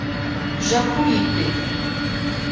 Jacuípe